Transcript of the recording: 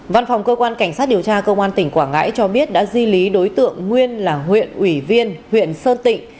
văn phòng cơ quan cảnh sát điều tra công an tỉnh quảng ngãi cho biết đã di lý đối tượng nguyên là huyện ủy viên huyện sơn tịnh